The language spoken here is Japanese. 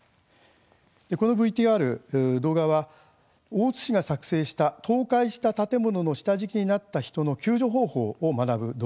このＶＴＲ、動画は大津市が作成した倒壊した建物の下敷きになった人の救助方法を学ぶ動画です。